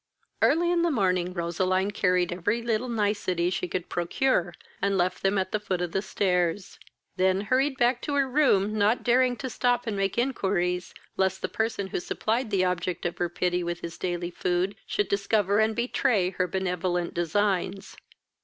Early in the morning, Roseline carried every little nicety she could procure, and left them at the foot of the stairs, then hurried back to her room, not daring to stop and make inquiries, lest the person who supplied the object of her pity with his daily food should discover and betray her benevolent designs.